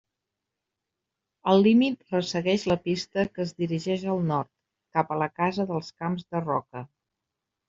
El límit ressegueix la pista que es dirigeix al nord, cap a la casa dels Camps de Roca.